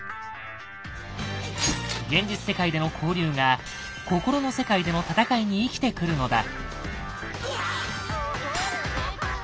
現実世界での交流が心の世界での戦いに生きてくるのだ。